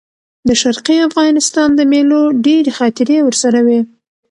د شرقي افغانستان د مېلو ډېرې خاطرې ورسره وې.